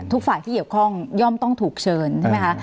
ทุกฝ่ายที่เกี่ยวข้องย่อมต้องถูกเชิญใช่ไหมคะ